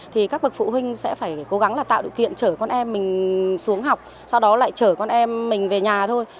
thì các bậc phụ huynh sẽ phải cố gắng là tạo điều kiện chở con em mình xuống học sau đó lại chở con em mình về nhà thôi